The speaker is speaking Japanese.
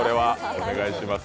お願いします。